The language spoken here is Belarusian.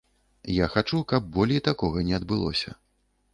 Я хачу, каб болей такога не адбылося.